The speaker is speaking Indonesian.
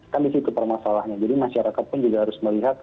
kan disitu permasalahannya jadi masyarakat pun juga harus melihat